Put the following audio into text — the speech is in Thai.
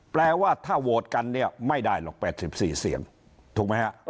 แปลว่าถ้าโหวตกันเนี่ยไม่ได้หรอก๘๔เสียงถูกไหมฮะ